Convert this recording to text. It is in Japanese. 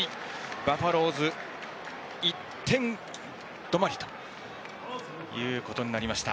バファローズ、１点止まりということになりました。